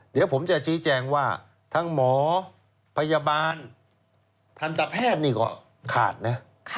เดี๋ยวผมจะชี้แจงว่าทั้งหมอพยาบาลทันตแพทย์นี่ก็ขาดนะ